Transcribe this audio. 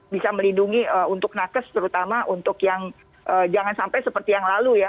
bisa melindungi untuk nakes terutama untuk yang jangan sampai seperti yang lalu ya